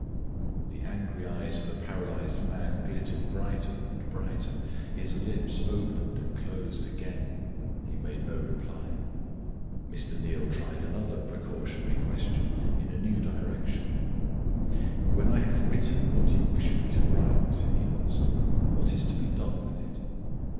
The angry eyes of the paralyzed man glittered brighter and brighter. His lips opened and closed again. He made no reply. Mr. Neal tried another precautionary question, in a new direction. "When I have written what you wish me to write," he asked, "what is to be done with it?"